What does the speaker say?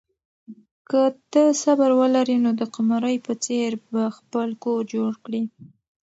که ته صبر ولرې نو د قمرۍ په څېر به خپل کور جوړ کړې.